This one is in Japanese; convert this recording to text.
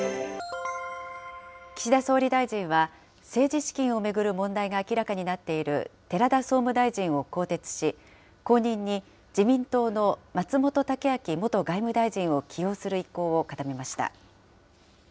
岸田総理大臣は、政治資金を巡る問題が明らかになっている寺田総務大臣を更迭し、後任に自民党の松本剛明元外務大臣を起用する意向を固めました。